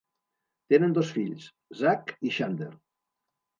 Tenen dos fills, Zack i Xander.